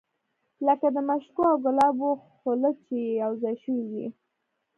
لکه د مشکو او ګلابو خوله چې یو ځای شوې وي.